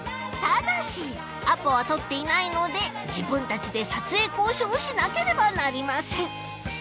ただしアポは取っていないので自分たちで撮影交渉をしなければなりません